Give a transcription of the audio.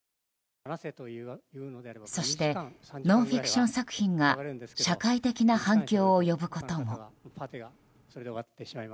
そして、ノンフィクション作品が社会的な反響を呼ぶことも。